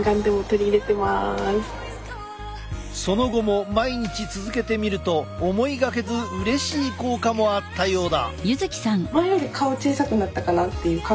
その後も毎日続けてみると思いがけずうれしい効果もあったようだ。